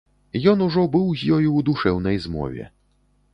Ён ужо быў з ёю ў душэўнай змове.